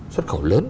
xuất khẩu lớn